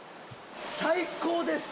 最高です！